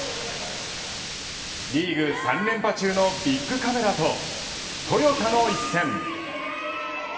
リーグ３連覇中のビックカメラとトヨタの一戦。